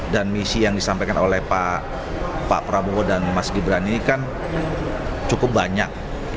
dan misi yang disampaikan oleh pak prabowo dan mas gibran ini kan cukup banyak